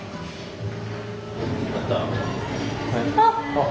あっ。